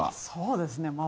そうですね